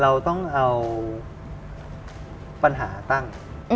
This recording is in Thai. เราต้องเอาปัญหาตั้ง